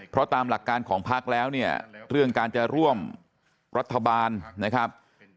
เพราะตามหลักการของพักแล้วเนี่ยเรื่องการจะร่วมรัฐบาลนะครับ